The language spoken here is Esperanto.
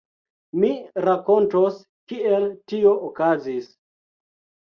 Mi rakontos, kiel tio okazis.